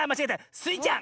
スイちゃん！